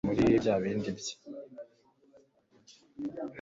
erick se aracyari muri byabindi bye